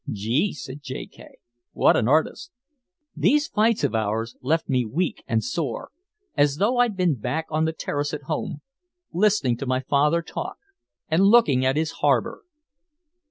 "Gee," said J. K. "What an artist." These fights of ours left me weak and sore, as though I'd been back on the terrace at home, listening to my father talk and looking at his harbor.